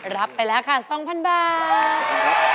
รับไปแล้วค่ะ๒๐๐๐บาท